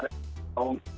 semuanya saya ikut saja